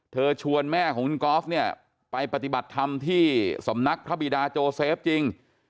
ชวนแม่ของคุณกอล์ฟเนี่ยไปปฏิบัติธรรมที่สำนักพระบิดาโจเซฟจริง